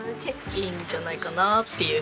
いいんじゃないかなっていう。